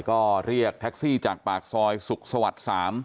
ก็เรียกแท็กซี่จากปากซอยสุขสวรรค์๓